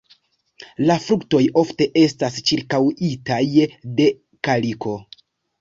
La fruktoj ofte estas ĉirkaŭitaj de kaliko.